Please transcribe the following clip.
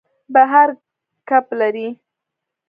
بحر کب لري.